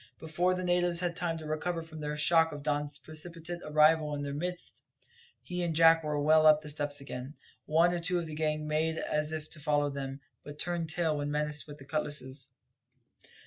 Before the natives had time to recover from the shock of Don's precipitate arrival in their midst, he and Jack were well up the steps again. One or two of the gang made as if to follow them, but turned tail when menaced with the cutlasses.